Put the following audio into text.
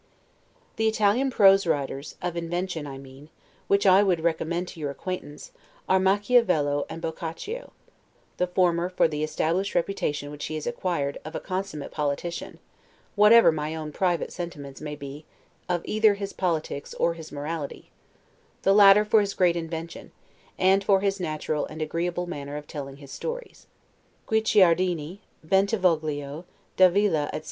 The Italian prose writers (of invention I mean) which I would recommend to your acquaintance, are Machiavello and Boccacio; the former, for the established reputation which he has acquired, of a consummate politician (whatever my own private sentiments may be of either his politics or his morality): the latter, for his great invention, and for his natural and agreeable manner of telling his stories. Guicciardini, Bentivoglio, Davila, etc.